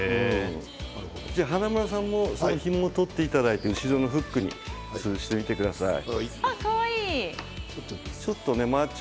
華丸さんもひもを取っていただいて後ろのフックに掛けてみてください。